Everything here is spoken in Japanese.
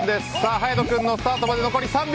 勇人君のスタートまで残り３秒。